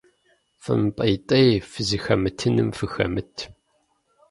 ФымыпӀейтей, фызыхэмытын фыхэмыт.